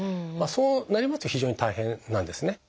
そうなりますと非常に大変なんですね。